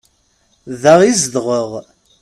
Da i zedɣeɣ.